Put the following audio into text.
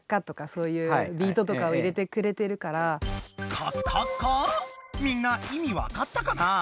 なんかみんな意味分かったかな？